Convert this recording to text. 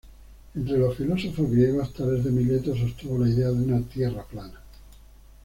Entre los filósofos griegos, Tales de Mileto sostuvo la idea de una Tierra plana.